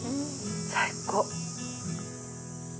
最高！